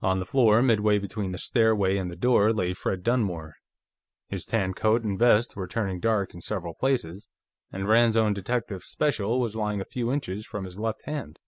On the floor, midway between the stairway and the door, lay Fred Dunmore. His tan coat and vest were turning dark in several places, and Rand's own Detective Special was lying a few inches from his left hand.